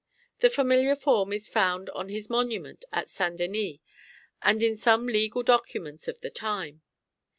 The familiar form is found on his monument at St. Denis, and in some legal documents of the time.